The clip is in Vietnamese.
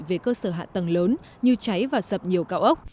về cơ sở hạ tầng lớn như cháy và sập nhiều cao ốc